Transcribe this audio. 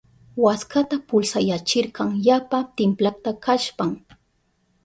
Waskata pulsayachirka yapa timplakta kashpan.